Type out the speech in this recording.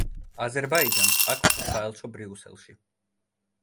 აზერბაიჯანს აქვს საელჩო ბრიუსელში.